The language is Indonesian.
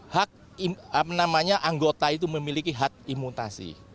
hak apa namanya anggota itu memiliki hak imutasi